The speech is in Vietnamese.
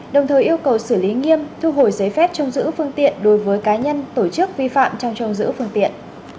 đồng thời yêu cầu xử lý nghiêm thu hồi giấy phép trông giữ phương tiện đối với cá nhân tổ chức vi phạm trong trông giữ phương tiện